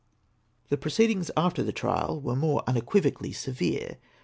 The proceedings after the trial were more unequivocally severe.